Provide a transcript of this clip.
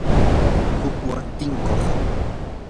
hukwan tinkuq